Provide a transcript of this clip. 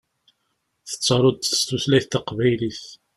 Tettaruḍ s tutlayt taqbaylit.